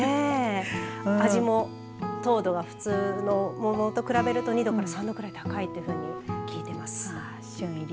味も糖度は普通の桃と比べると２度から３度くらい高いと聞いています。